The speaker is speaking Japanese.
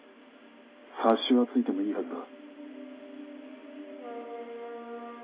察しはついてもいいはずだ。